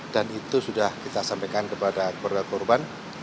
itu sudah kita sampaikan kepada keluarga korban